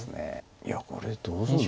いやこれどうするの？